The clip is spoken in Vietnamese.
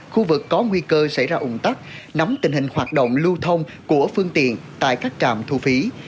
khu vực có nguy cơ xảy ra ủng tắc nắm tình hình hoạt động lưu thông của phương tiện tại các trạm thu phí